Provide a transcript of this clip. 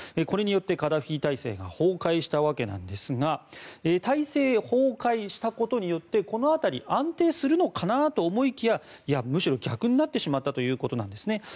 これによってカダフィ体制が崩壊したわけなんですが体制崩壊したことによってこの辺り安定するのかなと思いきやむしろ逆になってしまったということなんですね。